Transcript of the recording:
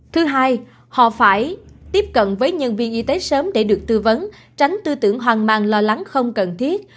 thứ hai họ phải tiếp cận với nhân viên y tế sớm để được tư vấn tránh tư tưởng hoang mang lo lắng không cần thiết